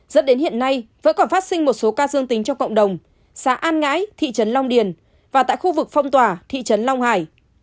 dẫn đến hiện nay vẫn còn phát sinh một số ca dương tính trong cộng đồng xã an ngãi thị trấn long điền và tại khu vực phong tỏa thị trấn long hải